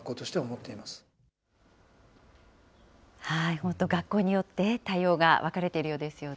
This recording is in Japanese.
本当、学校によって、対応が分かれているようですよね。